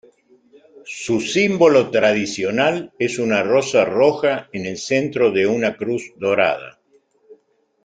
Su símbolo tradicional es una rosa roja en el centro de una cruz dorada.